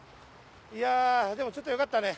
やでもちょっとよかったね。